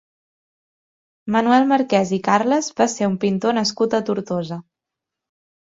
Manuel Marquès i Carles va ser un pintor nascut a Tortosa.